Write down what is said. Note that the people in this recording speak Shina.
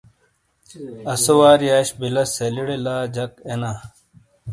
اسو واری اش بِیلہ سیلیڑے لا جک اینا۔